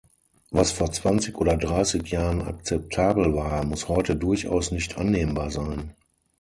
Was vor zwanzig oder dreißig Jahren akzeptabel war, muss heute durchaus nicht annehmbar sein.